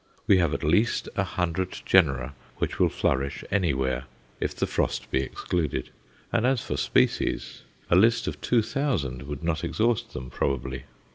We have at least a hundred genera which will flourish anywhere if the frost be excluded; and as for species, a list of two thousand would not exhaust them probably.